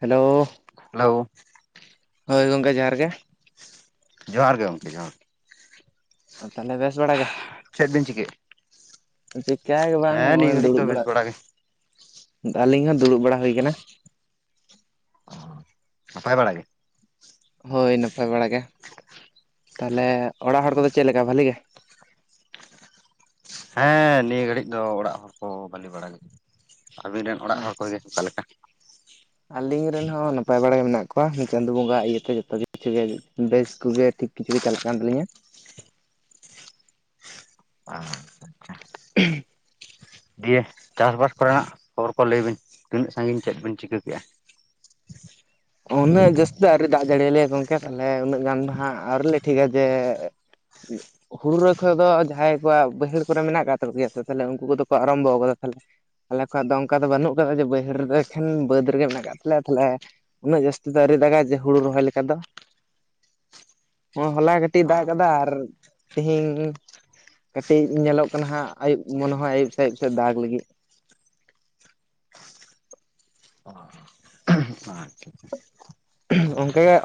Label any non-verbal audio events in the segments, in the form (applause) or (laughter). Hello hello ᱦᱳᱭ ᱜᱚᱝᱠᱮ ᱡᱚᱦᱟᱨ ᱜᱮ, ᱡᱚᱦᱟᱨ ᱜᱮ ᱜᱚᱢᱠᱮ ᱡᱚᱦᱟᱨ ᱟ ᱛᱟᱦᱚᱞᱮ ᱵᱮᱥ ᱵᱟᱲᱟᱜᱮ, ᱪᱮᱜ ᱵᱮᱱ ᱪᱤᱠᱟᱹ ᱮᱜ ᱪᱤᱠᱟ ᱜᱮ ᱵᱟᱝ ᱱᱚᱜᱼᱚᱭ ᱱᱤᱭᱟᱹ ᱜᱷᱟᱹᱲᱤᱡ ᱫᱚ ᱫᱩᱲᱩᱵ ᱵᱮᱥ ᱵᱟᱲᱟ ᱜᱮ ᱟᱹᱞᱤᱧ ᱦᱚᱸ ᱫᱩᱲᱩᱵ ᱵᱟᱲᱟ ᱦᱩᱭ ᱠᱟᱱᱟ᱾ ᱱᱟᱯᱟᱭ ᱵᱟᱲᱟ ᱜᱮ? ᱦᱳᱭ ᱱᱟᱯᱟᱭ ᱵᱟᱲᱟ ᱜᱮ᱾ ᱛᱟᱦᱚᱞᱮ ᱚᱲᱟᱜ ᱦᱚᱲ ᱠᱚᱫᱚ ᱪᱮᱜ ᱞᱮᱠᱟ ᱵᱷᱟᱹᱞᱤ ᱜᱮ? ᱦᱮᱸ ᱱᱤᱭᱟᱹ ᱜᱷᱟᱹᱲᱤᱡ ᱫᱚ ᱚᱲᱟᱜ ᱦᱚᱲ ᱠᱚ ᱵᱷᱟᱹᱞᱤ ᱵᱟᱲᱟ ᱜᱮ ᱾ ᱟᱵᱤᱱ ᱨᱮᱱ? ᱟᱪᱪᱷᱟ ᱟᱹᱞᱤᱧ ᱨᱮᱱ ᱦᱚᱸ ᱱᱟᱯᱟᱭ ᱵᱟᱲᱟ ᱜᱮ ᱢᱮᱱᱟᱜ ᱠᱚᱣᱟ ᱪᱟᱸᱫᱚ ᱵᱚᱸᱜᱟ ᱤᱭᱟᱹᱛᱮ ᱡᱚᱛᱚ ᱠᱤᱪᱷᱩ ᱜᱮ ᱵᱮᱥ ᱠᱚᱜᱮ ᱴᱷᱤᱠ ᱠᱤᱪᱷᱩ ᱜᱮ ᱪᱟᱞᱟᱜ ᱠᱟᱱ ᱛᱟᱹᱞᱤᱧᱟ᱾ (unintelligible) (inaudible) ᱫᱤᱭᱮ ᱪᱟᱥᱵᱟᱥ ᱠᱚᱨᱮᱱᱟᱜ ᱠᱷᱚᱵᱚᱨ ᱠᱚ ᱞᱟᱹᱭ ᱵᱤᱱ ᱛᱤᱱᱟᱹᱜ ᱥᱟᱺᱜᱤᱧ ᱪᱮᱜ ᱵᱤᱱ ᱪᱤᱠᱟᱹ ᱠᱮᱜᱼᱟ? (inaudible) ᱩᱱᱟᱜ ᱡᱟᱹᱥᱛᱤ ᱫᱚ ᱟᱣᱨᱤ ᱫᱟᱜ ᱡᱟᱹᱲᱤᱭᱟ ᱞᱮᱭᱟ ᱜᱚᱝᱠᱮ᱾ ᱛᱟᱦᱚᱞᱮ ᱩᱱᱟᱹᱜ ᱜᱟᱱ ᱫᱚ ᱦᱟᱸᱜ ᱟᱣᱨᱤᱞᱮ ᱴᱷᱤᱠᱟ ᱡᱮ ᱦᱩᱲᱩ ᱨᱚᱦᱚᱭ ᱠᱷᱚᱡ ᱫᱚ ᱡᱟᱦᱟᱸᱭ ᱠᱚᱣᱟᱜ ᱵᱟᱹᱭᱦᱟᱹᱲ ᱠᱚᱨᱮ ᱢᱮᱱᱟᱜ ᱟᱠᱟᱫ ᱛᱟᱠᱚ ᱜᱮᱭᱟ ᱛᱟᱦᱚᱞᱮ ᱩᱱᱠᱩ ᱠᱚᱫᱚ ᱠᱚ ᱟᱨᱟᱢᱵᱚ ᱟᱠᱟᱫᱟ ᱛᱟᱦᱚᱞᱮ ᱟᱞᱮ ᱠᱚᱣᱟᱜ ᱫᱚ ᱚᱱᱠᱟ ᱫᱚ ᱵᱟᱹᱱᱩᱜ ᱟᱠᱟᱫᱟ ᱡᱮ ᱵᱟᱹᱭᱦᱟᱹᱲ ᱨᱮ ᱫᱚ ᱮᱠᱷᱮᱱ ᱵᱟᱹᱫᱽ ᱨᱮᱜᱮ ᱢᱮᱱᱟᱜ ᱟᱠᱟᱫ ᱛᱟᱞᱮᱭᱟ ᱛᱟᱦᱚᱞᱮ ᱩᱱᱟᱹᱜ ᱡᱟᱹᱥᱛᱤ ᱫᱚ ᱟᱹᱣᱨᱤ ᱫᱟᱜᱟᱭ ᱡᱮ ᱦᱩᱲᱩ ᱨᱚᱦᱚᱭ ᱞᱮᱠᱟ ᱫᱚ ᱦᱚᱸᱼᱚᱭ ᱦᱚᱞᱟ ᱜᱮ ᱴᱤ ᱫᱟᱜ ᱠᱟᱫᱟ ᱟᱨ ᱛᱤᱦᱤᱧ ᱠᱟᱴᱤᱡ ᱧᱮᱞᱚᱜ ᱠᱟᱱᱟ ᱦᱟᱸᱜ ᱟᱭᱩᱵ ᱢᱚᱱᱮ ᱦᱚᱸ ᱟᱭᱩᱵ ᱥᱮ ᱟᱭᱩᱵ ᱥᱮ ᱫᱟᱜ ᱞᱟᱹᱜᱤᱫ᱾ (inaudible) ᱚᱱᱠᱟ ᱜᱮ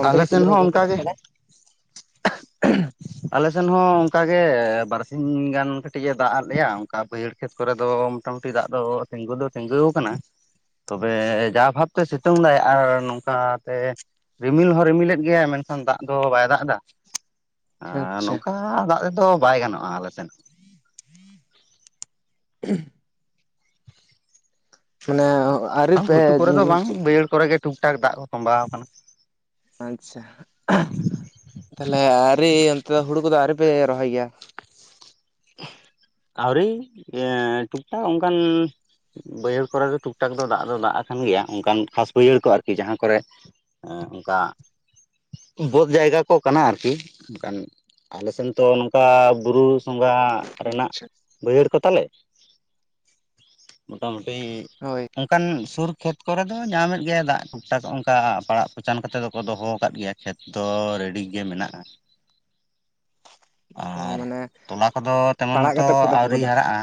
ᱚᱱᱛᱮ ᱟᱞᱮ ᱜᱮ ᱪᱮᱫ ᱥᱮᱱ ᱞᱮᱠᱟ ᱦᱚᱸ ᱚᱱᱠᱟ ᱪᱟᱞᱟᱜ ᱠᱟᱱᱟ? ᱟᱞᱮᱥᱮᱱ ᱦᱚᱸ ᱚᱱᱠᱟᱜᱮ ᱵᱟᱨᱥᱤᱧ ᱜᱟᱱ ᱠᱟᱹᱴᱤᱡ ᱮ ᱫᱟᱜ ᱟᱫ ᱞᱮᱭᱟ ᱚᱱᱠᱟ ᱵᱟᱹᱭᱦᱟᱹᱲ ᱠᱷᱮᱛ ᱠᱚᱨᱮ ᱫᱚ ᱢᱚᱴᱟ ᱢᱩᱴᱤ ᱫᱟᱜ ᱫᱚ ᱛᱤᱸᱜᱩ ᱫᱚ ᱛᱤᱸᱜᱩ ᱟᱠᱟᱱᱟ ᱛᱚᱵᱮ ᱡᱟ ᱵᱷᱟᱵᱛᱮ ᱥᱤᱛᱩᱝ ᱫᱟᱭ ᱟᱨ ᱱᱚᱝᱠᱟ ᱛᱮ ᱨᱤᱢᱤᱞ ᱦᱚᱸ ᱨᱤᱢᱤᱞᱮᱫ ᱜᱮᱭᱟᱭ ᱢᱮᱱᱠᱷᱟᱱ ᱫᱟᱜ ᱫᱚ ᱵᱟᱭ ᱫᱟᱜ ᱫᱟ ᱾ ᱟᱻ ᱟᱪᱪᱷᱟ ᱱᱚᱝᱠᱟ ᱫᱟᱜ ᱛᱮᱫᱚ ᱵᱟᱭ ᱜᱟᱱᱚᱜᱼᱟ ᱟᱞᱮ ᱥᱮᱱ᱾ (inaudible) ᱢᱟᱱᱮ ᱟᱹᱣᱨᱤ ᱯᱮ ᱜᱷᱩᱴᱩ ᱠᱚᱨᱮ ᱫᱚ ᱵᱟᱝ ᱵᱟᱹᱭᱟᱹᱲ ᱠᱚᱨᱮ ᱜᱮ ᱴᱩᱠ ᱴᱟᱠ ᱫᱟᱜ ᱠᱚ ᱛᱚᱸᱵᱟᱣ ᱟᱠᱟᱱᱟ᱾ ᱟᱪᱪᱷᱟ ᱛᱟᱦᱚᱞᱮ ᱟᱣᱨᱤ ᱚᱱᱛᱮ ᱫᱚ ᱦᱩᱲᱩ ᱠᱚᱫᱚ ᱟᱹᱣᱨᱤᱯᱮ ᱨᱚᱦᱚᱭ ᱜᱮᱭᱟ? ᱟᱹᱣᱨᱤ ᱴᱩᱠᱴᱟᱠ ᱚᱱᱠᱟᱱ ᱵᱟᱹᱭᱦᱟᱹᱲ ᱠᱚᱨᱮ ᱫᱚ ᱴᱩᱠ ᱴᱟᱠ ᱫᱚ ᱫᱟᱜ ᱫᱚ ᱫᱟᱜ ᱟᱠᱟᱱ ᱜᱮᱭᱟ ᱚᱱᱠᱟᱱ ᱠᱷᱟᱥ ᱵᱟᱹᱭᱦᱟᱹᱲ ᱠᱚ ᱟᱨᱠᱤ ᱡᱟᱦᱟᱸ ᱠᱚᱨᱮ ᱮᱸ ᱚᱱᱠᱟ ᱵᱚᱫ ᱡᱟᱭᱜᱟ ᱠᱚ ᱠᱟᱱᱟ ᱟᱨᱠᱤ ᱟᱞᱮᱥᱮᱱ ᱛᱚ ᱱᱚᱝᱠᱟ ᱵᱩᱨᱩ ᱛᱚᱸᱜᱟᱜ ᱨᱮᱱᱟᱜ ᱟᱪᱪᱷᱟ ᱵᱟᱹᱭᱦᱟᱹᱲ ᱠᱚ ᱛᱟᱞᱮ ᱢᱚᱴᱟᱢᱩᱴᱤ ᱦᱳᱭ ᱚᱱᱠᱟᱱ ᱥᱩᱨ ᱠᱷᱮᱛ ᱠᱚᱨᱮ ᱫᱚ ᱧᱟᱢᱮᱫ ᱜᱮᱭᱟᱭ ᱫᱟᱜ ᱴᱩᱠᱴᱟᱠ ᱚᱱᱠᱟ ᱯᱟᱲᱟᱜ ᱯᱚᱪᱟᱱ ᱠᱟᱛᱮᱫ ᱫᱚᱠᱚ ᱫᱚᱦᱚ ᱟᱠᱟᱫ ᱜᱮᱭᱟ᱾ ᱠᱷᱮᱛ ᱫᱚ ᱨᱮᱰᱤ ᱜᱮ ᱢᱮᱱᱟᱜᱼᱟ᱾ ᱚ ᱟᱨ ᱢᱟᱱᱮ ᱛᱚᱞᱟ ᱠᱚᱫᱚ ᱛᱮᱢᱚᱱ ᱯᱟᱲᱟᱜ ᱢᱚᱛᱚ ᱠᱟᱛᱮᱫ ᱯᱮ ᱫᱚᱦᱚ ᱟᱣᱨᱤ ᱠᱟᱫᱟ ᱦᱟᱨᱟᱜᱼᱟ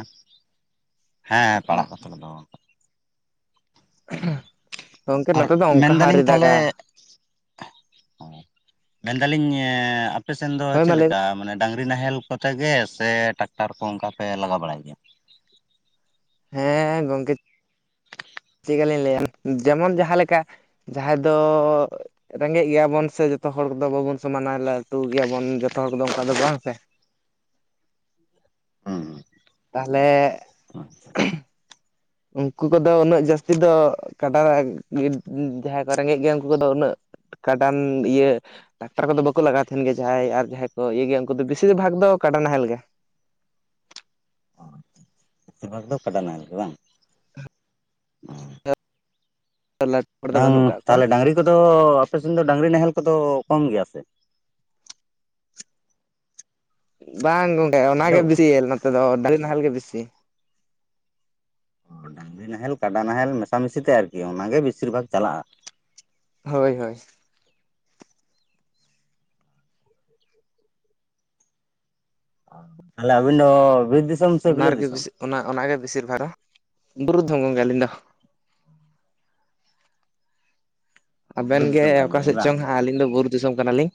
ᱦᱮᱸ ᱚ ᱯᱟᱲᱟᱜ ᱠᱟᱛᱮ ᱞᱮ ᱫᱚᱦᱚ ᱟᱠᱟᱫᱟ᱾ ᱜᱚᱝᱠᱮ ᱟᱨ ᱱᱚᱛᱮ ᱫᱚ ᱚᱱᱠᱟ ᱦᱚᱸ ᱢᱮᱱᱫᱟᱹᱞᱤᱧ ᱟᱹᱣᱨᱤ ᱛᱟᱦᱚᱞᱮ ᱫᱟᱜᱟ ᱢᱮᱱ ᱫᱟᱹᱞᱤᱧ ᱟᱯᱮ ᱥᱮᱱ ᱫᱚ ᱦᱳᱭ ᱢᱟ ᱪᱮᱫ ᱞᱟᱹᱭ ᱢᱮ ᱞᱮᱠᱟ ᱢᱟᱱᱮ ᱰᱟᱝᱨᱤ ᱱᱟᱦᱮᱞ ᱠᱚᱛᱮ ᱜᱮ ᱥᱮ ᱴᱟᱠᱴᱟᱨ ᱠᱚ ᱚᱱᱠᱟᱯᱮ ᱞᱟᱜᱟ ᱵᱟᱲᱟᱭ ᱜᱮᱭᱟ? ᱦᱮᱸ ᱜᱚᱝᱠᱮ ᱪᱮᱫ ᱞᱮᱠᱟ ᱞᱤᱧ ᱞᱟᱹᱭᱟ ᱡᱮᱢᱚᱱ ᱡᱟᱦᱟᱸ ᱞᱮᱠᱟ ᱡᱟᱦᱟᱸᱭ ᱫᱚ ᱨᱮᱸᱜᱮᱡ ᱜᱮᱭᱟ ᱵᱚᱱ ᱥᱮ ᱡᱚᱛᱚ ᱦᱚᱲ ᱠᱚᱫᱚ ᱵᱟᱵᱚᱱ ᱥᱚᱢᱟᱱᱟ ᱞᱟᱴᱩ ᱜᱮᱭᱟ ᱵᱚᱱ ᱡᱚᱛᱚ ᱦᱚᱲ ᱫᱚ ᱚᱱᱠᱟ ᱫᱚ ᱵᱟᱝ ᱥᱮ᱾ ᱦᱩᱸ ᱦᱩᱸ ᱛᱟᱦᱚᱞᱮ ᱟᱪᱪᱷᱟ ᱩᱱᱠᱩ ᱠᱚᱫᱚ ᱩᱱᱟᱹᱜ ᱡᱟᱹᱥᱛᱤ ᱫᱚ ᱠᱟᱰᱟ ᱡᱟᱦᱟᱸᱭ ᱠᱚ ᱨᱮᱸᱜᱮᱡ ᱜᱮᱭᱟ ᱩᱱᱠᱩ ᱠᱚᱫᱚ ᱩᱱᱟᱹᱜ ᱠᱟᱰᱟᱱ ᱤᱭᱟᱹ ᱴᱟᱠᱴᱟᱨ ᱠᱚᱫᱚ ᱵᱟᱠᱚ ᱞᱟᱜᱟᱣ ᱛᱟᱦᱮᱱ ᱜᱮᱭᱟ ᱡᱟᱦᱟᱸᱭ ᱟᱨ ᱡᱟᱦᱟᱸᱭ ᱠᱚ ᱤᱭᱟᱹ ᱜᱮᱭᱟ ᱩᱱᱠᱩ ᱫᱚ ᱵᱤᱥᱤᱨ ᱵᱷᱟᱜᱽ ᱫᱚ ᱠᱟᱰᱟ ᱱᱟᱦᱮᱞ ᱜᱮ᱾ ᱵᱮᱥᱤᱨ ᱵᱷᱟᱜ ᱫᱚ ᱠᱟᱰᱟ ᱱᱟᱦᱮᱞ ᱜᱮ ᱵᱟᱝ? ᱦᱚᱲ ᱫᱚ ᱱᱟᱝ ᱵᱟᱹᱱᱩᱜ ᱠᱟᱜ ᱠᱚᱣᱟ ᱛᱟᱞᱦᱮ ᱰᱟᱝᱨᱤ ᱠᱚᱫᱚ ᱟᱯᱮ ᱥᱮᱱ ᱫᱚ ᱰᱟᱝᱨᱤ ᱱᱟᱦᱮᱞ ᱠᱚᱫᱚ ᱠᱚᱢ ᱜᱮᱭᱟ ᱥᱮ ᱵᱟᱝ ᱜᱚᱝᱠᱮ ᱚᱱᱟ ᱜᱮ ᱦᱮᱞᱳ ᱵᱮᱥᱤ ᱱᱚᱛᱮ ᱫᱚ ᱰᱟᱝᱨᱤ ᱱᱟᱦᱮᱞ ᱜᱮ ᱵᱮᱥᱤ᱾ ᱰᱟᱝᱨᱤ ᱱᱟᱦᱮᱞ ᱠᱟᱰᱟ ᱱᱟᱦᱮᱞ ᱢᱮᱥᱟᱢᱤᱥᱤ ᱛᱮ ᱟᱨᱠᱤ ᱚᱱᱟ ᱜᱤ ᱵᱮᱥᱤᱨ ᱵᱷᱟᱜᱽ ᱪᱟᱞᱟᱜᱼᱟ᱾ ᱦᱳᱭ ᱦᱳᱭ (inaudible) ᱛᱟᱞᱦᱮ ᱟᱹᱵᱤᱱ ᱫᱚ ᱵᱤᱨ ᱫᱤᱥ ᱚᱱᱟ ᱨᱮᱜᱮ ᱵᱮᱥᱤ ᱚᱱᱟ ᱚᱱᱟ ᱜᱮ ᱵᱮᱥᱤᱨ ᱫᱷᱟᱨᱟ ᱵᱩᱨᱩ (unintelligible) ᱟᱹᱞᱤᱧ ᱫᱚ ᱟᱵᱮᱱ ᱵᱩᱨᱩ ᱜᱮ ᱫᱤᱥᱚᱢ ᱠᱟᱱ ᱚᱠᱟ ᱜᱮᱭᱟᱵᱤᱱ ᱥᱮᱫ ᱵᱟᱝ ᱪᱚᱝ ᱦᱟᱸᱜ ᱟᱹᱞᱤᱧ ᱫᱚ ᱵᱩᱨᱩ ᱫᱤᱥᱚᱢ ᱠᱟᱱᱟ ᱞᱤᱧ᱾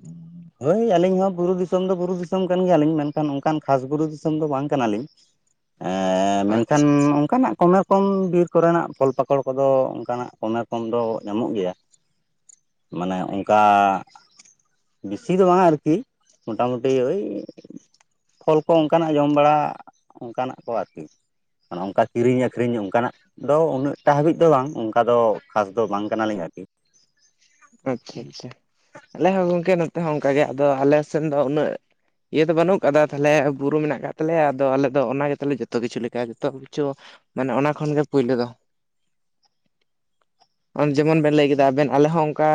(inaudible) ᱦᱳᱭ ᱟᱞᱤᱧ ᱦᱚᱸ ᱵᱩᱨᱩ ᱫᱤᱥᱚᱢ ᱫᱚ ᱵᱩᱨᱩ ᱫᱤᱥᱚᱢ ᱠᱟᱱ ᱜᱮᱭᱟᱱᱞᱤᱧ ᱢᱮᱱᱠᱷᱟᱱ ᱚᱱᱠᱟᱱ ᱠᱷᱟᱥ ᱵᱩᱨᱩ ᱫᱤᱥᱚᱢ ᱫᱚ ᱵᱟᱝ ᱠᱟᱱᱟ ᱞᱤᱧ᱾ ᱮᱸ ᱢᱮᱱᱠᱷᱟᱱ ᱟᱪᱪᱷᱟ ᱟᱪᱪᱷᱟ ᱚᱱᱠᱟᱱᱟᱜ ᱠᱚᱢᱮᱨ ᱠᱚᱢ ᱵᱤᱨ ᱠᱚ ᱨᱮᱱᱟᱜ ᱯᱷᱚᱞ ᱯᱟᱠᱚᱲ ᱠᱚᱫᱚ ᱚᱱᱠᱟᱱᱟᱜ ᱠᱚᱢᱮ ᱠᱚᱢ ᱫᱚ ᱧᱟᱢᱚᱜ ᱜᱮᱭᱟ᱾ ᱢᱟᱱᱮ ᱚᱝᱠᱟ᱾ ᱵᱮᱥᱤ ᱫᱚ ᱵᱟᱝ-ᱟ ᱟᱨᱠᱤ ᱢᱚᱴᱟᱢᱩᱴᱤ ᱳᱭ᱾ ᱯᱷᱚᱞ ᱠᱚ ᱚᱝᱠᱟᱱᱟᱜ ᱡᱚᱢ ᱵᱟᱲᱟ ᱚᱝᱠᱟᱱᱟᱜ ᱠᱚ ᱟᱨᱠᱤ᱾ ᱱᱚᱝᱠᱟ ᱠᱤᱨᱤᱧ ᱟᱹᱠᱷᱨᱤᱧ ᱚᱝᱠᱟᱱᱟᱜ᱾ ᱫᱚ ᱩᱱᱟᱹᱜ ᱴᱟ ᱦᱟᱵᱤᱡ ᱫᱚ ᱵᱟᱝ ᱚᱝᱠᱟ ᱫᱚ ᱠᱷᱟᱥ ᱫᱚ ᱵᱟᱝ ᱠᱟᱱᱟ ᱞᱤᱧ ᱟᱨᱠᱤ᱾ ᱟᱪᱪᱷᱟ ᱟᱪᱪᱷᱟ ᱟᱞᱮ ᱦᱚᱸ ᱜᱚᱝᱠᱮ ᱱᱚᱛᱮ ᱦᱚᱸ ᱚᱝᱠᱟ ᱜᱮ ᱟᱫᱚ ᱟᱞᱮ ᱥᱮᱱ ᱫᱚ ᱩᱱᱟᱹᱜ᱾ ᱤᱭᱟᱹ ᱫᱚ ᱵᱟᱱᱩᱜ ᱠᱟᱫᱟ ᱛᱟᱞᱦᱮ ᱵᱩᱨᱩ ᱢᱮᱱᱟᱜ ᱠᱟᱜ ᱛᱟᱞᱮᱭᱟ ᱟᱫᱚ ᱟᱞᱮ ᱫᱚ ᱚᱱᱟ ᱜᱮ ᱛᱟᱞᱮ ᱡᱚᱛᱚ ᱠᱤᱪᱷᱩ ᱞᱮᱠᱟ ᱜᱮᱛᱚ᱾ ᱠᱤᱪᱷᱩ ᱢᱟᱱᱮ ᱚᱱᱟ ᱠᱷᱚᱱ ᱜᱮ ᱯᱩᱭᱞᱚ ᱫᱚ᱾ (inaudible) ᱟᱢ ᱡᱮᱢᱚᱱ ᱵᱮᱱ ᱞᱟᱹᱭ ᱠᱮᱫᱟ ᱟᱵᱮᱱ ᱟᱞᱮ ᱦᱚᱸ ᱚᱝᱠᱟ᱾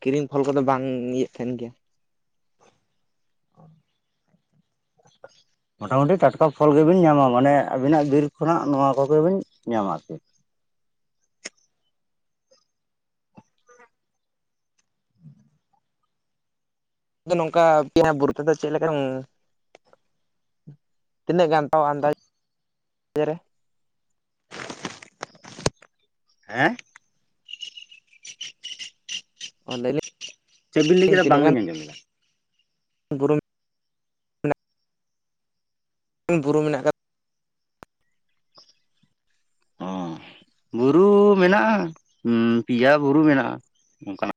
ᱠᱤᱨᱤᱧ ᱯᱷᱚᱞ ᱠᱚᱫᱚ ᱵᱟᱝ ᱤᱭᱟᱹᱜ ᱛᱟᱦᱮᱱ ᱜᱮᱭᱟ᱾ (inaudible) ᱢᱚᱴᱟᱢᱩᱴᱤ ᱴᱟᱴᱠᱟ ᱯᱷᱚᱞ ᱜᱮ ᱵᱤᱱ ᱧᱟᱢᱟ ᱢᱟᱱᱮ ᱟᱵᱤᱱᱟᱜ ᱵᱤᱨ ᱠᱷᱚᱱᱟᱜ ᱱᱚᱣᱟ ᱠᱚᱜᱮ ᱵᱤᱱ ᱧᱟᱢᱟ ᱟᱨᱠᱤ᱾ ᱟᱫᱚ ᱱᱚᱝᱠᱟ ᱯᱮᱭᱟ ᱵᱩᱨᱩ ᱛᱮᱫᱚ ᱪᱮᱜ ᱞᱮᱠᱟᱢ᱾ ᱛᱤᱱᱟᱹᱜ ᱜᱟᱱ ᱛᱟᱣ ᱟᱱᱫᱟᱪ ᱤᱭᱟᱹ ᱨᱮ᱾ ᱦᱮᱸ᱾ (unintelligible) ᱪᱮᱜ ᱵᱤᱱ ᱞᱟᱹᱭ ᱠᱮᱫᱟ ᱛᱤᱱᱟᱹᱜ ᱵᱟᱝ ᱜᱟᱱ ᱞᱤᱧ ᱟᱸᱡᱚᱢ ᱞᱮᱫᱟ? (unintelligible) ᱚᱸ ᱵᱩᱨᱩ ᱢᱮᱱᱟᱜ-ᱟ ᱩᱸ ᱯᱮᱭᱟ ᱵᱩᱨᱩ ᱢᱮᱱᱟᱜ-ᱟ ᱚᱱᱠᱟᱱᱟᱜ᱾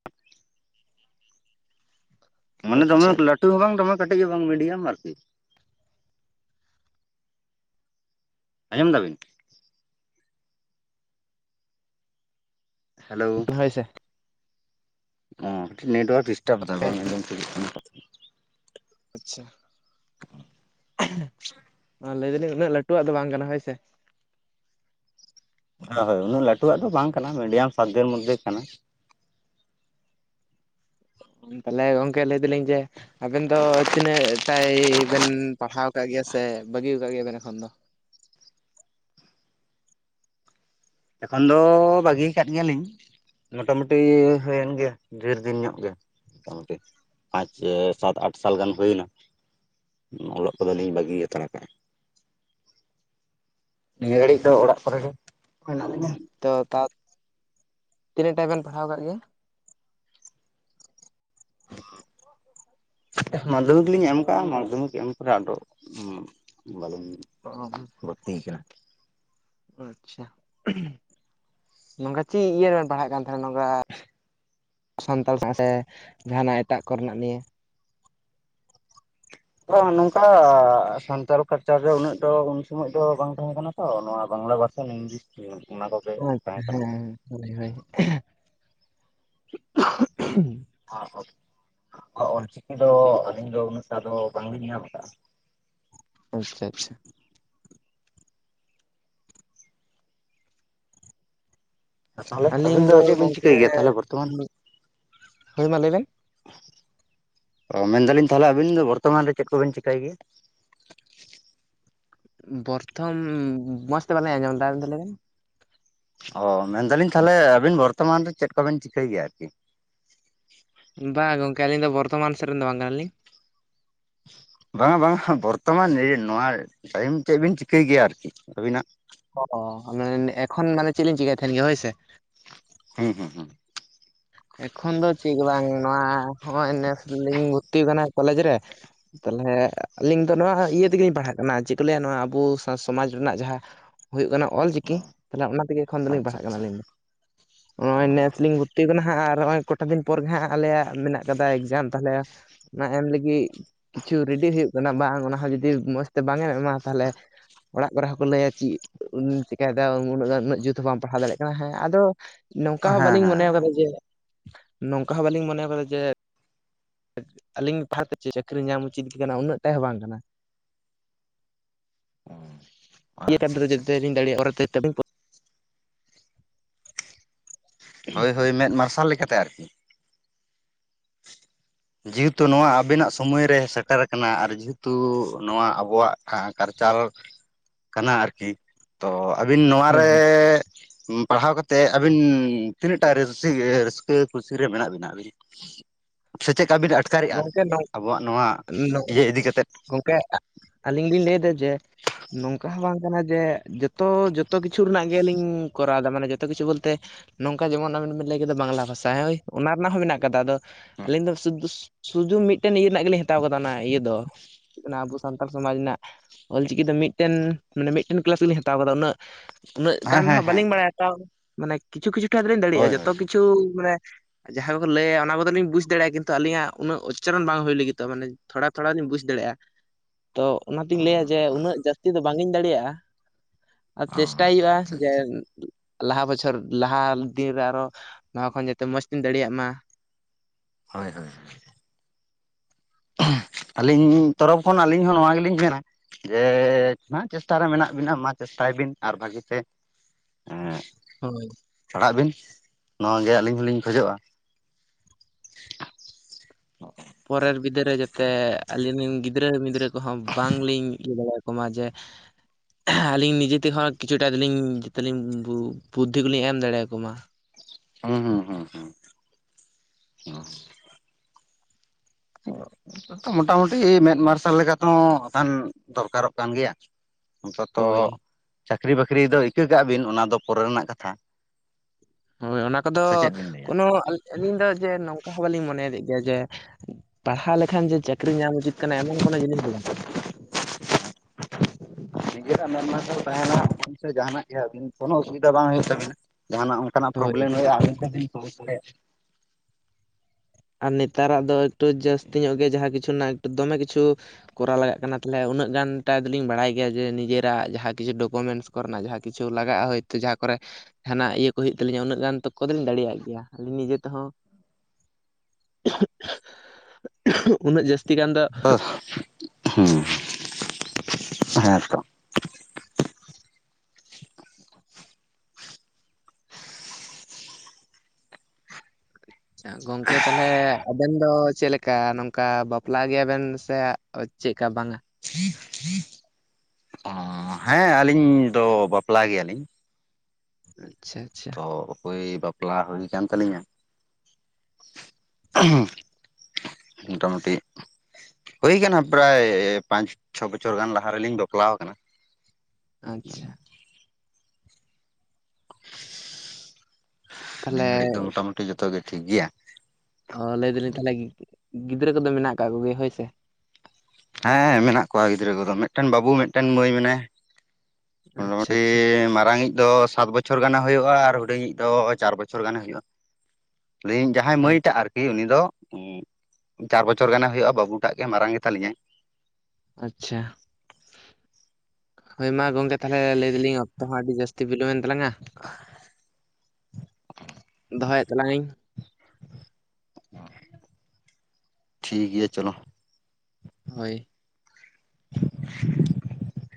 ᱢᱟᱱᱮ ᱫᱚᱢᱮ ᱟᱪᱪᱷᱟ ᱞᱟᱴᱩ ᱦᱚᱸ ᱵᱟᱝ ᱫᱚᱢᱮ ᱠᱟᱴᱤᱡ ᱦᱚᱸ ᱵᱟᱝ ᱢᱤᱰᱤᱭᱟᱢ ᱟᱨᱠᱤ᱾ ᱟᱸᱡᱚᱢ ᱫᱟ ᱵᱤᱱ? ᱦᱮᱞᱳ᱾ ᱦᱳᱭ ᱥᱮ ᱚᱸ ᱱᱮᱴᱣᱟᱨᱠ ᱰᱤᱥᱴᱟᱵ ᱫᱟ ᱵᱟᱝ ᱟᱸᱡᱚᱢ ᱴᱷᱤᱠᱩᱜ ᱠᱟᱱᱟ᱾ ᱟᱪᱪᱷᱟ᱾ ᱞᱟᱹᱭ ᱫᱟᱞᱤᱧ ᱩᱱᱟᱹᱜ ᱞᱟᱴᱩᱣᱟᱜ ᱫᱚ ᱵᱟᱝ ᱠᱟᱱᱟ ᱦᱳᱭ ᱥᱮ᱾ ᱦᱟᱹ ᱩᱱᱟᱹᱜ ᱞᱟᱴᱩᱣᱟᱜ ᱫᱚ ᱵᱟᱝ ᱠᱟᱱᱟ ᱢᱤᱰᱤᱭᱟᱢ ᱥᱟᱫᱽᱫᱷᱮᱨ ᱢᱚᱫᱽᱫᱷᱮ ᱠᱟᱱᱟ᱾ ᱛᱟᱞᱦᱮ ᱜᱚᱝᱠᱮ ᱞᱟᱹᱭ ᱫᱟᱞᱤᱧ ᱡᱮ᱾ ᱟᱵᱮᱱ ᱫᱚ ᱛᱤᱱᱟᱹᱜ ᱴᱟᱭ ᱵᱮᱱ ᱯᱟᱲᱦᱟᱣ ᱠᱟᱜ ᱜᱮᱭᱟ ᱥᱮ ᱵᱟᱹᱜᱤᱣ ᱠᱟᱜ ᱜᱮᱭᱟ ᱵᱮᱱ ᱮᱠᱷᱚᱱ ᱫᱚ? ᱮᱠᱷᱚᱱ ᱫᱚ ᱵᱟᱜᱤᱭ ᱠᱟᱫ ᱜᱮᱭᱟ ᱞᱤᱧ᱾ ᱢᱚᱴᱟ ᱢᱩᱴᱤ ᱦᱩᱭᱮᱱ ᱜᱮᱭᱟ ᱰᱷᱮᱨ ᱫᱤᱱ ᱧᱚᱜ ᱜᱮ᱾ ᱢᱚᱴᱟᱢᱩᱴᱤ ᱟᱸᱪ ᱥᱟᱛ ᱟᱴ ᱥᱟᱞ ᱜᱟᱱ ᱦᱩᱭᱱᱟ᱾ ᱚᱞᱚᱜ ᱠᱚᱫᱚ ᱞᱤᱧ ᱵᱟᱜᱤ ᱦᱟᱛᱟᱲ ᱠᱟᱜ-ᱟ᱾ ᱱᱤᱭᱟᱹ ᱜᱷᱟᱹᱲᱤᱡ ᱫᱚ ᱚᱲᱟᱜ ᱠᱚᱨᱮ ᱜᱮ ᱢᱮᱱᱟᱜ ᱞᱤᱧᱟ᱾ ᱛᱚ ᱛᱟᱛ ᱛᱤᱱᱟᱹᱜ ᱴᱟ ᱵᱮᱱ ᱯᱟᱲᱦᱟᱣ ᱠᱟᱜ ᱜᱮᱭᱟ? (inaudible) ᱢᱟᱫᱷᱚᱢᱤᱠ ᱞᱤᱧ ᱮᱢ ᱠᱟᱜ-ᱟ ᱢᱟᱫᱷᱚᱢᱤᱠ ᱮᱢ ᱯᱚᱨᱮ ᱟᱫᱚ ᱩᱸᱜ ᱵᱟᱞᱤᱧ᱾ ᱚ᱾ ᱵᱷᱚᱨᱛᱤᱭ ᱠᱟᱱᱟ᱾ ᱟᱪᱪᱷᱟ ᱱᱚᱝᱠᱟ ᱪᱤᱜ ᱤᱭᱟᱹ ᱨᱮᱵᱮᱱ ᱯᱟᱲᱦᱟᱜ ᱠᱟᱱ ᱛᱟᱦᱮᱱᱟ ᱱᱚᱝᱠᱟ᱾ ᱥᱟᱱᱛᱟᱲ ᱥᱟᱶ ᱥᱮ ᱡᱟᱦᱟᱱᱟᱜ ᱮᱴᱟᱜ ᱠᱚᱨᱮᱱᱟᱜ ᱱᱤᱭᱮ᱾ ᱛᱚ ᱱᱚᱝᱠᱟ ᱥᱟᱱᱛᱟᱲ ᱠᱟᱞᱪᱟᱨ ᱨᱮ ᱩᱱᱟᱹᱜ ᱫᱚ ᱩᱱ ᱥᱚᱢᱚᱡ ᱫᱚ ᱵᱟᱝ ᱛᱟᱸᱦᱮ ᱠᱟᱱᱟ᱾ ᱚ ᱱᱚᱣᱟ ᱵᱟᱝᱞᱟ ᱵᱷᱟᱨᱥᱚᱱ ᱤᱝᱞᱤᱥ ᱚᱱᱟ ᱠᱚᱜᱮ ᱛᱟᱸᱦᱮ ᱠᱟᱱᱟ᱾ ᱦᱮᱸ ᱦᱳᱭ ᱦᱳᱭ᱾ ᱚᱞ ᱪᱤᱠᱤ ᱫᱚ ᱟᱹᱞᱤᱧ ᱫᱚ ᱩᱱᱟᱹᱴᱟ ᱫᱚ ᱵᱟᱝᱞᱤᱧ ᱧᱟᱢ ᱟᱠᱟᱫᱟ-ᱟ᱾ ᱟᱪᱪᱷᱟ ᱟᱪᱪᱷᱟ᱾ ᱛᱟᱦᱚᱞᱮ ᱟᱹᱞᱤᱧ ᱟᱹᱵᱤᱱ ᱫᱚ ᱪᱮᱫ ᱵᱤᱱ ᱜᱚᱢᱠᱮ ᱪᱤᱠᱟᱹᱭ ᱜᱮᱭᱟ ᱛᱟᱦᱚᱞᱮ ᱵᱚᱨᱛᱚᱢᱟᱱ ᱦᱳᱭ ᱢᱟ ᱞᱟᱹᱭ ᱵᱮᱱ ᱚ ᱢᱮᱱᱫᱟᱞᱤᱧ ᱛᱟᱦᱚᱞᱮ ᱟᱵᱤᱱ ᱫᱚ ᱵᱚᱨᱛᱚᱢᱟᱱ ᱨᱮ ᱪᱮᱫ ᱠᱚᱵᱤᱱ ᱪᱤᱠᱟᱹᱭᱟᱭ ᱜᱮᱭᱟ? (inaudible) ᱢᱚᱡᱽ ᱛᱮ ᱵᱟᱞᱤᱧ ᱟᱸᱡᱚᱢ ᱞᱮᱫᱟ ᱟᱨ ᱢᱤᱫ ᱫᱷᱟᱣ ᱞᱟᱹᱭ ᱵᱤᱱ ᱚ ᱢᱮᱱᱫᱟᱞᱤᱧ ᱛᱟᱦᱚᱞᱮ ᱟᱹᱵᱤᱱ ᱵᱚᱨᱛᱚᱢᱟᱱ ᱨᱮ ᱪᱮᱫ ᱠᱚ ᱵᱤᱱ ᱪᱤᱠᱟᱹᱭ ᱜᱮᱭᱟ ᱟᱨᱠᱤ? ᱵᱟᱝ ᱜᱚᱝᱠᱮ ᱟᱹᱞᱤᱧ ᱫᱚ ᱵᱚᱨᱫᱚᱢᱟᱱ ᱥᱮᱫ ᱨᱮᱱ ᱫᱚ ᱵᱟᱝ ᱠᱟᱱᱟᱞᱤᱧ᱾ ᱵᱟᱝᱟ ᱵᱟᱝᱟ ᱵᱚᱨᱛᱚᱢᱟᱱ ᱱᱚᱣᱟ ᱴᱟᱭᱤᱢ ᱪᱮᱫ ᱵᱤᱱ ᱪᱤᱠᱟᱹᱭ ᱜᱮᱭᱟ ᱟᱨᱠᱤ ᱟᱹᱵᱤᱱᱟᱜ? ᱚ ᱢᱟᱱᱮ ᱮᱠᱷᱚᱱ ᱢᱟᱱᱮ ᱪᱮᱫ ᱞᱤᱧ ᱪᱤᱠᱟᱭ ᱛᱟᱦᱮᱱ ᱜᱮ ᱦᱳᱭ ᱥᱮ᱾ ᱦᱩᱸ ᱦᱩᱸ ᱦᱩᱸ ᱮᱠᱷᱚᱱ ᱫᱚ ᱪᱮᱫ ᱜᱮ ᱵᱟᱝ ᱱᱚᱣᱟ ᱦᱚᱸ ᱱᱮᱥ ᱞᱤᱧ ᱵᱷᱩᱨᱛᱤ ᱟᱠᱟᱱᱟ ᱠᱚᱞᱮᱡ ᱨᱮ ᱾ ᱛᱟᱦᱚᱞᱮ ᱟᱹᱞᱤᱧ ᱫᱚ ᱱᱚᱣᱟ ᱤᱭᱟᱹ ᱛᱮᱜᱮᱞᱤᱧ ᱯᱟᱲᱦᱟᱜ ᱠᱟᱱᱟ ᱪᱮᱫ ᱠᱚ ᱞᱟᱹᱭᱟ ᱱᱚᱣᱟ ᱟᱵᱚ ᱥᱚᱢᱟᱡ ᱨᱮᱱᱟᱜ ᱡᱟᱦᱟᱸ (unintelligible) ᱦᱩᱭᱩᱜ ᱠᱟᱱᱟ ᱚᱞ ᱚ ᱪᱤᱠᱤ ᱛᱟᱞᱦᱮ ᱚᱱᱟ ᱛᱮᱜᱮ ᱮᱠᱷᱚᱱ ᱫᱚᱞᱤᱧ ᱟᱪᱪᱷᱟ ᱯᱟᱲᱦᱟᱜ ᱠᱟᱱᱟ ᱟᱪᱪᱷᱟ ᱟᱹᱞᱤᱧ ᱫᱚ, ᱚ ᱱᱚᱜ ᱱᱮᱥ ᱞᱤᱧ (inaudible) ᱦᱟᱸᱜ ᱟᱨ ᱱᱚᱜ-ᱚᱭ ᱠᱚᱴᱟ ᱫᱤᱱ ᱯᱚᱨ ᱜᱮ ᱦᱟᱸᱜ ᱟᱞᱮᱭᱟᱜ ᱢᱮᱱᱟᱜ ᱠᱟᱫᱟ ᱮᱠᱡᱟᱢ ᱛᱟᱦᱚᱞᱮ ᱚᱱᱟ ᱮᱢ ᱞᱟᱹᱜᱤᱫ ᱠᱤᱪᱷᱩ ᱨᱮᱰᱤ ᱦᱩᱭᱩᱜ ᱠᱟᱱᱟ ᱵᱟᱝ ᱚᱱᱟ ᱦᱚᱸ ᱡᱩᱫᱤ ᱢᱚᱡᱽ ᱛᱮ ᱵᱟᱝ ᱮᱢ ᱮᱢᱟ ᱛᱟᱦᱚᱞᱮ ᱚᱲᱟᱜ ᱠᱚᱨᱮ ᱦᱚᱸᱠᱚ ᱞᱟᱹᱭᱟ ᱪᱮᱫ᱾ ᱪᱮᱠᱟᱭᱮᱫᱟ ᱩᱱᱟᱹᱜ ᱜᱟᱱ ᱩᱱᱟᱹᱜ ᱡᱩᱛ ᱦᱚᱸ ᱵᱟᱢ ᱯᱟᱲᱦᱟᱣ ᱫᱟᱲᱮᱭᱟᱜ ᱠᱟᱱᱟ ᱦᱮᱸ ᱟᱫᱚ ᱱᱚᱝᱠᱟ ᱦᱚᱸ ᱦᱮᱸ ᱵᱟᱟᱹᱞᱤᱧ ᱦᱮᱸ ᱢᱚᱱᱮᱣ ᱦᱮᱸ ᱟᱠᱟᱫᱟ ᱱᱚᱝᱠᱟ ᱦᱚᱸ ᱵᱟᱞᱤᱧ ᱢᱚᱱᱮ ᱟᱠᱟᱫᱟ ᱡᱮ ᱟᱹᱞᱤᱧ (inaudible) ᱪᱟᱹᱠᱨᱤ ᱧᱟᱢ ᱩᱪᱤᱛ ᱜᱮ ᱠᱟᱱᱟ ᱩᱱᱟᱹᱜ ᱴᱟᱦᱚᱸ ᱵᱟᱝ ᱠᱟᱱᱟ ᱾ (unintelligible) ᱟᱪᱪᱷᱟ (unintelligible) ᱦᱳᱭ ᱦᱳᱭ ᱢᱮᱫ ᱢᱟᱨᱥᱟᱞ ᱞᱮᱠᱟᱛᱮ ᱟᱨᱠᱤ᱾ ᱡᱮᱦᱮᱛᱩ ᱱᱚᱣᱟ ᱟᱵᱮᱱᱟᱜ ᱥᱩᱢᱚᱭ ᱨᱮ ᱥᱮᱴᱮᱨ ᱟᱠᱟᱱᱟ ᱟᱨ ᱡᱮᱦᱮᱛᱩ ᱱᱚᱣᱟ ᱟᱵᱚᱣᱟᱜ ᱠᱟᱟᱨᱪᱟᱞ ᱠᱟᱱᱟ ᱟᱨᱠᱤ ᱛᱚ ᱟᱹᱵᱤᱱ ᱦᱮᱸ ᱱᱚᱣᱟᱟᱨᱮ ᱯᱟᱲᱦᱟᱣ ᱠᱟᱛᱮᱜ ᱟᱹᱵᱤᱱ ᱛᱤᱱᱟᱹᱜ ᱴᱟ ᱨᱟᱹᱥᱠᱟᱹ ᱠᱩᱥᱤ ᱨᱮ ᱢᱮᱱᱟᱜ ᱵᱤᱱᱟ ᱟᱵᱤᱱ? ᱥᱮ ᱪᱮᱫᱠᱟ ᱵᱤᱱ ᱟᱴᱠᱟᱨᱮᱜ-ᱟ ᱜᱚᱝᱠᱮ ᱟᱨᱠᱤ ᱟᱵᱚᱣᱟᱜ ᱱᱚᱣᱟ ᱤᱭᱟᱹ ᱤᱫᱤ ᱠᱟᱛᱮᱫ ᱜᱚᱝᱠᱮ ᱟᱹᱞᱤᱧ ᱞᱤᱧ ᱞᱟᱹᱭ ᱮᱫᱟ ᱡᱮ ᱱᱚᱝᱠᱟ ᱦᱚᱸ ᱵᱟᱝ ᱠᱟᱱᱟ ᱡᱮ ᱡᱚᱛᱚ ᱡᱚᱛᱚ ᱠᱤᱪᱷᱩ ᱨᱮᱱᱟᱜ ᱜᱮᱞᱤᱧ ᱠᱚᱨᱟᱣᱫᱟ ᱢᱟᱱᱮ ᱡᱚᱛᱚ ᱠᱤᱪᱷᱩ ᱵᱚᱞᱛᱮ ᱱᱚᱝᱠᱟ ᱡᱮᱢᱚᱱ ᱟᱵᱤᱱ ᱵᱮᱤᱱ ᱞᱟᱹᱭ ᱠᱮᱫᱟ ᱵᱟᱝᱞᱟ ᱵᱷᱟᱥᱟ ᱦᱳᱭ ᱚᱱᱟ ᱨᱮᱱᱟᱜ ᱦᱚᱸ ᱢᱮᱱᱟᱜ ᱟᱠᱟᱫᱟ ᱾ ᱟᱫᱚ ᱟᱹᱞᱤᱧ ᱫᱚ ᱥᱩᱫ ᱥᱩᱫᱷᱩ ᱢᱤᱫᱴᱮᱱ ᱤᱭᱟᱹ ᱨᱮᱱᱟᱜ ᱜᱮᱞᱤᱧ ᱦᱟᱛᱟᱣ ᱠᱟᱫᱟ ᱚᱱᱟ ᱤᱭᱟᱹ ᱫᱚ ᱠᱟᱱᱟ ᱟᱵ ᱥᱟᱱᱛᱟᱲ ᱥᱚᱢᱟᱡ ᱨᱮᱱᱟᱜ ᱚᱞᱪᱤᱠᱤ ᱫᱚ ᱢᱤᱫᱴᱮᱱ ᱢᱟᱱᱮ ᱢᱤᱫᱴᱮᱱ ᱠᱮᱞᱟᱥ ᱜᱮᱞᱤᱧ ᱦᱟᱛᱟᱣ ᱠᱟᱫᱟ ᱾ ᱩᱱᱟᱹᱜ ᱩᱱᱟᱹᱜ ᱜᱟᱱ ᱦᱮᱸ ᱫᱚ ᱦᱮᱸ ᱦᱟᱸᱜ ᱦᱮᱸ ᱵᱟᱹᱞᱤᱧ ᱵᱟᱲᱟᱭᱟ ᱦᱟᱸᱜ ᱛᱟᱣ ᱢᱟᱱᱮ ᱠᱤᱪᱷᱩ ᱠᱤᱪᱷᱩ ᱴᱷᱟ ᱫᱚᱞᱤᱧ ᱫᱟᱲᱮᱭᱟᱜ-ᱟ, ᱦᱳᱭ ᱡᱚᱛᱚ ᱦᱳᱭ ᱠᱤᱪᱷᱩ ᱢᱟᱱᱮ ᱡᱟᱦᱟᱸ ᱠᱚᱠᱚ ᱞᱟᱹᱭᱟ ᱚᱱᱟ ᱠᱚᱫᱚᱞᱧ ᱵᱩᱡᱽ ᱫᱟᱲᱮᱭᱟᱜ-ᱟ ᱠᱤᱱᱛᱩ ᱟᱹᱞᱤᱧᱟᱜ ᱩᱱᱟᱹᱜ ᱩᱪᱟᱨᱚᱱ ᱵᱟᱝ ᱦᱩᱭ ᱞᱟᱹᱜᱤᱫᱚᱜ-ᱟ ᱢᱟᱱᱮ ᱛᱷᱚᱲᱟ ᱛᱷᱚᱲᱟ ᱤᱧ ᱵᱩᱡᱽ ᱫᱟᱲᱮᱭᱟᱜ-ᱟ᱾ ᱛᱚ ᱚᱱᱟᱛᱤᱧ ᱚ ᱞᱟᱹᱭᱟ ᱡᱮ ᱩᱱᱟᱹᱜ ᱡᱟᱹᱥᱛᱤ ᱫᱚ ᱵᱟᱝ ᱤᱧ ᱫᱟᱲᱮᱭᱟᱜ-ᱟ᱾ ᱟᱨ ᱪᱮᱥᱴᱟᱭ ᱦᱩᱭᱩᱜ-ᱟ ᱟᱪᱪᱷᱟ ᱡᱮ ᱟᱪᱪᱷᱟ ᱞᱟᱦᱟ ᱵᱚᱪᱷᱚᱨ ᱞᱟᱦᱟ ᱫᱤᱱ ᱨᱮ ᱟᱨᱚ ᱱᱚᱣᱟ ᱠᱷᱚᱱ ᱡᱟᱛᱮ ᱢᱚᱡᱽ ᱛᱤᱧ ᱫᱟᱲᱮᱭᱟᱜ ᱢᱟ ᱾ ᱦᱳᱭ ᱦᱳᱭ ᱾ ᱟᱹᱞᱤᱧ ᱛᱚᱨᱚᱯ ᱠᱷᱚᱱ ᱟᱹᱞᱤᱧ ᱦᱚᱸ ᱱᱚᱣᱟ ᱜᱮᱞᱤᱧ ᱢᱮᱱᱟ ᱡᱮ ᱢᱟ ᱪᱮᱥᱴᱟᱨᱮ ᱢᱮᱱᱟᱜ ᱵᱤᱱᱟ ᱢᱟ ᱪᱮᱥᱴᱟᱭ ᱵᱤᱱ ᱟᱨ ᱵᱷᱟᱹᱜᱤᱛᱮ (unintelligible) ᱦᱳᱭ᱾ ᱯᱟᱲᱦᱟᱜ ᱵᱤᱱ ᱱᱚᱣᱟ ᱜᱮ ᱟᱹᱞᱤᱧ ᱦᱚᱞᱤᱧ ᱠᱷᱚᱡᱚᱜ-ᱟ᱾ ᱯᱚᱨᱮᱨ ᱵᱤᱫᱟᱹ ᱨᱮ ᱡᱟᱛᱮ ᱟᱹᱞᱤᱧ ᱨᱮᱱ ᱜᱤᱫᱽᱨᱟᱹ ᱢᱤᱫᱽᱨᱟᱹ ᱠᱚᱦᱚᱸ ᱵᱟᱝᱞᱤᱧ ᱤᱭᱟᱹ ᱫᱟᱲᱮᱭᱟᱠᱚ ᱢᱟ ᱡᱮ ᱟᱹᱞᱤᱧ ᱱᱤᱡᱮ ᱛᱮᱦᱚᱸ ᱠᱤᱪᱷᱩᱴᱟ ᱫᱚᱞᱤᱧ ᱡᱟᱛᱮᱞᱤᱧ ᱵᱩ ᱵᱩᱫᱽᱫᱷᱤ ᱠᱚᱞᱤᱧ ᱮᱢ ᱫᱟᱲᱮᱭᱟᱠᱚᱢᱟ᱾ ᱦᱩᱸ ᱦᱩᱸ ᱦᱩᱸ ᱦᱩᱸ, ᱦᱩᱸ᱾ ᱛᱚ ᱢᱚᱴᱟᱢᱩᱴᱤ ᱢᱮᱫ ᱢᱟᱨᱥᱟᱞ ᱞᱮᱠᱟ ᱛᱮᱦᱚᱸ ᱦᱟᱸᱜ ᱠᱷᱟᱱ ᱫᱚᱨᱠᱟᱨᱚᱜ ᱠᱟᱱ ᱜᱮᱭᱟ᱾ ᱱᱮᱛᱟᱨ ᱛᱚ ᱦᱳᱭ ᱪᱟᱹᱠᱨᱤ ᱵᱟᱹᱠᱨᱤ ᱫᱚ ᱤᱠᱟᱹ ᱠᱟᱜ ᱵᱤᱱ, ᱚᱱᱟ ᱫᱚ ᱯᱚᱨᱮ ᱨᱮᱱᱟᱜ ᱠᱟᱛᱷᱟ᱾ ᱦᱳᱭ ᱚᱱᱟ ᱠᱚᱫᱚ ᱥᱮ ᱪᱮᱫ ᱵᱤᱱ ᱞᱟᱹᱭᱟ ᱠᱳᱱᱳ ᱟ ᱟᱹᱞᱤᱧ ᱫᱚ ᱡᱮ ᱱᱚᱝᱠᱟ ᱦᱚᱸ ᱵᱟᱹᱞᱤᱧ ᱢᱚᱱᱮᱭᱮᱫ ᱜᱮᱭᱟ ᱡᱮ ᱯᱟᱲᱦᱟᱣ ᱞᱮᱠᱷᱟᱱ ᱡᱮ ᱪᱟᱹᱠᱨᱤ ᱧᱟᱢ ᱩᱪᱤᱛ ᱠᱟᱱᱟ ᱮᱢᱚᱱ ᱠᱳᱱᱳ ᱡᱤᱱᱤᱥ ᱫᱚ ᱵᱟᱝ ᱠᱟᱱᱟ᱾ (inaudible) ᱱᱤᱡᱮᱨᱟᱜ ᱢᱮᱱ ᱢᱟᱨᱥᱟᱞ ᱛᱟᱦᱮᱱᱟ (inaudible) ᱡᱟᱦᱟᱱᱟᱜ ᱜᱮ ᱟᱹᱵᱤᱱ ᱠᱳᱱᱳ ᱚᱥᱩᱵᱤᱫᱷᱟ ᱵᱟᱝ ᱦᱩᱭᱩᱜ ᱛᱟᱵᱤᱱᱟ ᱡᱟᱦᱟᱱᱟᱜ ᱚ ᱠᱟᱱᱟᱜ ᱦᱳᱭ ᱯᱨᱳᱵᱞᱮᱢ ᱦᱩᱭᱩᱜᱼᱟ ᱟᱵᱤᱱ (inaudible) ᱟᱨ ᱱᱮᱛᱟᱨᱟᱜ ᱫᱚ ᱮᱠᱴᱩ ᱡᱟᱹᱥᱛᱤ ᱧᱚᱜ ᱜᱮ ᱡᱟᱦᱟᱸ ᱠᱤᱪᱷᱩ ᱨᱮᱱᱟᱜ ᱫᱚᱢᱮ ᱠᱤᱪᱷᱩ ᱠᱚᱨᱟᱣ ᱞᱟᱜᱟᱜ ᱠᱟᱱᱟ ᱛᱟᱞᱦᱮ ᱩᱱᱟᱹᱜ ᱜᱟᱱᱴᱟᱭ ᱫᱚᱞᱤᱧ ᱵᱟᱲᱟᱭ ᱜᱮᱭᱟ ᱡᱮ ᱱᱤᱡᱮᱨᱟᱜ ᱡᱟᱦᱟᱸ ᱠᱤᱪᱷᱩ ᱰᱚᱠᱳᱢᱮᱱᱥ ᱠᱚᱨᱮᱱᱟᱜ ᱡᱟᱦᱟᱸ ᱠᱤᱪᱷᱩ ᱞᱟᱜᱟᱜᱼᱟ ᱦᱳᱭᱛᱳ ᱡᱟᱦᱟᱸ ᱠᱚᱨᱮ ᱛᱟᱦᱮᱱᱟ ᱤᱭᱟᱹ ᱠᱚ ᱦᱩᱭᱩᱜ ᱛᱟᱹᱞᱤᱧᱟ ᱩᱱᱟᱹᱜ ᱜᱟᱱ ᱛᱚᱠᱠᱚ ᱠᱚ ᱫᱚᱞᱤᱧ ᱫᱟᱲᱮᱭᱟᱜ ᱜᱮᱭᱟ ᱟᱹᱞᱤᱧ ᱱᱤᱡᱮ ᱛᱮᱦᱚᱸ ᱩᱱᱟᱹᱜ ᱡᱟᱹᱥᱛᱤ ᱜᱟᱱ ᱫᱚ ᱦᱩᱹ᱾ ᱟᱪᱪᱷᱟ, ᱜᱚᱝᱠᱮ ᱛᱟᱞᱦᱮ ᱟᱵᱮᱱ ᱫᱚ ᱪᱮᱫ ᱞᱮᱠᱟ ᱱᱚᱝᱠᱟ ᱵᱟᱯᱞᱟ ᱜᱮᱭᱟᱵᱮᱱ ᱥᱮ ᱚ ᱪᱮᱫᱠᱟ ᱵᱟᱝᱟ? (inaudible) ᱚ ᱦᱮᱸ, ᱟᱹᱞᱤᱧ ᱫᱚ ᱵᱟᱯᱞᱟ ᱜᱮᱭᱟᱞᱤᱧ᱾ ᱟᱪᱪᱷᱟ ᱟᱪᱪᱷᱟ᱾ ᱛᱚ ᱦᱳᱭ ᱵᱟᱯᱞᱟ ᱦᱳᱭ ᱟᱠᱟᱱ ᱛᱟᱹᱞᱤᱧᱟ᱾ ᱢᱚᱴᱟᱢᱩᱴᱤ ᱦᱳᱭ ᱟᱠᱟᱱᱟ ᱯᱨᱟᱭ ᱯᱟᱸᱪ ᱪᱷᱚ ᱵᱚᱪᱷᱚᱨ ᱜᱟᱱ ᱞᱟᱦᱟ ᱨᱮᱞᱤᱧ ᱵᱟᱯᱞᱟᱣ ᱟᱠᱟᱱᱟ᱾ ᱟᱪᱪᱷᱟ᱾ ᱛᱟᱦᱚᱞᱮ ᱱᱤᱭᱟᱹ ᱜᱷᱟᱹᱲᱤᱡ ᱫᱚ ᱢᱚᱴᱟᱢᱩᱴᱤ ᱡᱷᱚᱛᱚ ᱜᱮ ᱴᱷᱤᱠ ᱜᱮᱭᱟ᱾ ᱚ ᱞᱟᱹᱭ ᱫᱟᱹᱞᱤᱧ ᱛᱟᱞᱦᱮ ᱜᱤᱫᱽᱨᱟᱹ ᱠᱚᱫᱚ ᱢᱮᱱᱟᱜ ᱟᱠᱟᱫ ᱠᱚᱜᱮᱭᱟ ᱦᱳᱭ ᱥᱮ? ᱦᱮᱸ ᱢᱮᱱᱟᱜ ᱠᱚᱣᱟ ᱜᱤᱫᱽᱨᱟᱹ ᱠᱚᱫᱚ ᱢᱤᱫᱴᱮᱱ ᱵᱟᱹᱵᱩ ᱢᱤᱫᱴᱮᱱ ᱢᱟᱹᱭ ᱢᱮᱱᱟᱭ᱾ ᱟᱪᱪᱷᱟ ᱢᱚᱴᱟᱢᱩᱴᱤ ᱟᱪᱪᱷᱟ ᱢᱟᱨᱟᱝᱤᱡ ᱫᱚ ᱥᱟᱛ ᱵᱚᱪᱷᱚᱨ ᱜᱟᱱᱮ ᱦᱩᱭᱩᱜᱼᱟ ᱟᱨ ᱦᱩᱰᱤᱧᱤᱡ ᱫᱚ ᱪᱟᱨ ᱵᱚᱪᱷᱚᱨ ᱜᱟᱱᱮ ᱦᱩᱭᱩᱜᱼᱟ᱾ (inaudible) ᱡᱟᱦᱟᱸᱭ ᱢᱟᱹᱭ ᱟᱪ ᱴᱟᱜ ᱟᱨᱠᱤ ᱩᱱᱤ ᱫᱚ ᱩᱸ ᱪᱟᱨ ᱵᱚᱪᱷᱚᱨ ᱜᱟᱱᱮ ᱦᱩᱭᱩᱜᱼᱟ ᱵᱟᱹᱵᱩ ᱴᱟᱜ ᱜᱮ ᱢᱟᱨᱟᱝ ᱜᱮ ᱛᱟᱞᱤᱧᱟᱹᱭ᱾ ᱟᱪᱪᱷᱟ᱾ ᱦᱳᱭ ᱢᱟ ᱜᱚᱝᱠᱮ ᱛᱟᱞᱦᱮ ᱞᱟᱹᱭ ᱫᱟᱹᱞᱤᱧ ᱚᱠᱛᱚ ᱦᱚᱸ ᱟᱹᱰᱤ ᱡᱟᱹᱥᱛᱤ ᱵᱤᱞᱚᱢ ᱮᱱ ᱛᱟᱞᱟᱝᱼᱟ᱾ ᱫᱚᱦᱚᱭᱮᱫ ᱛᱟᱞᱟᱝᱧᱟᱹᱧ᱾ ᱴᱷᱤᱠ ᱜᱤᱭᱟ ᱪᱚᱞᱚ᱾ ᱦᱳᱭ᱾